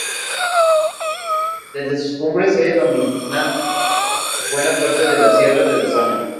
Desde sus cumbres se dominan buena parte de las sierras de la zona.